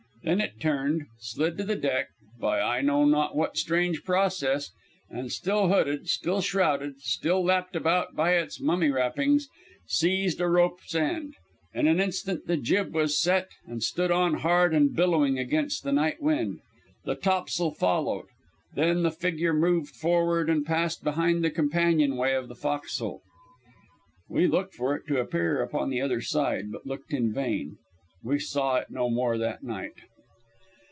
Then it turned, slid to the deck by I know not what strange process, and, still hooded, still shrouded, still lapped about by its mummy wrappings, seized a rope's end. In an instant the jib was set and stood on hard and billowing against the night wind. The tops'l followed. Then the figure moved forward and passed behind the companionway of the fo'c's'le. We looked for it to appear upon the other side, but looked in vain. We saw it no more that night.